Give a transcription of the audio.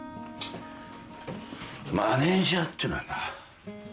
マネジャーっていうのはな